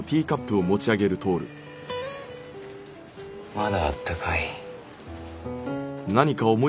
まだあったかい。